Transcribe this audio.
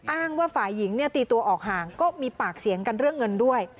อ้างว่าฝ่ายหญิงเนี่ยตีตัวออกห่างก็มีปากเสียงกันเรื่องเงินด้วย